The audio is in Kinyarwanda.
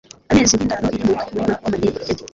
ameze nk'indaro iri mu murima w'amadegede